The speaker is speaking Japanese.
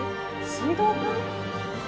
水道管？